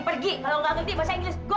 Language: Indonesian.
pergi kalau gak ngerti bahasa inggris go